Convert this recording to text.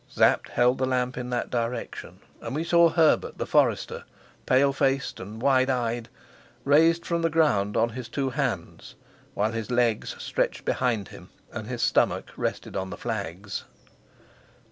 Sapt held the lamp in that direction, and we saw Herbert the forester, pale faced and wide eyed, raised from the ground on his two hands, while his legs stretched behind him and his stomach rested on the flags.